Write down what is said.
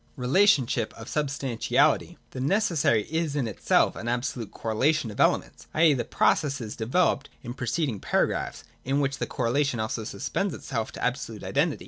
(a) Relationship of Substantiality. 150.] The necessary is in itself an absolute correlation of elements, i. e. the process developed (in the preceding paragraphs), in which the correlation also suspends itself to absolute identity.